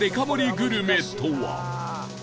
グルメとは？